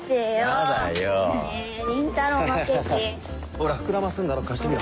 ほら膨らますんだろ貸してみろ。